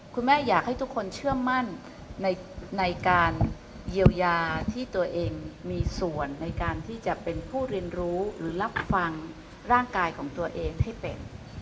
อยากให้ทุกคนเชื่อมั่นในการเยียวยาที่ตัวเองมีส่วนในการที่จะเป็นผู้เรียนรู้หรือรับฟังร่างกายของตัวเองให้เป็น